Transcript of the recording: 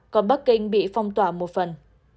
còn bắc kinh bị phong tỏa một phần